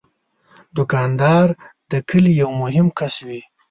دوکاندار د کلي یو مهم کس وي.